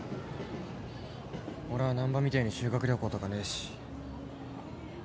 俺は難破みてえに修学旅行とかねえし。